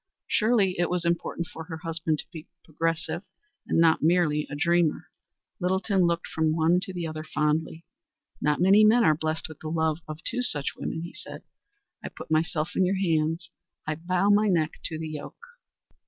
Surely it was important for her husband to be progressive and not merely a dreamer. Littleton looked from one to the other fondly. "Not many men are blessed with the love of two such women," he said. "I put myself in your hands. I bow my neck to the yoke."